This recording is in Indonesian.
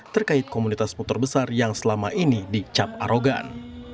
terkait komunitas putar besar yang selama ini dicap arogan